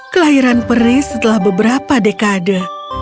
kelahiran peri setelah beberapa dekade